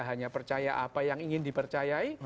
hanya percaya apa yang ingin dipercayai